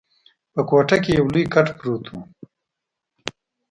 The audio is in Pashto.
په کوټه کي یو لوی کټ پروت وو.